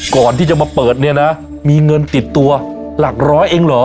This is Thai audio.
ก่อนที่จะมาเปิดเนี่ยนะมีเงินติดตัวหลักร้อยเองเหรอ